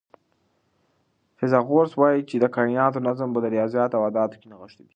فیثاغورث وایي چې د کائناتو نظم په ریاضیاتو او اعدادو کې نغښتی دی.